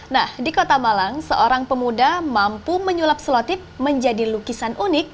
nah di kota malang seorang pemuda mampu menyulap selotip menjadi lukisan unik